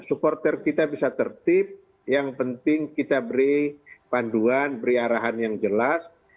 supporter kita bisa tertib yang penting kita beri panduan beri arahan yang jelas